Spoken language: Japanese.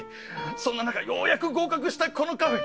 そんな中ようやく合格したこのカフェ。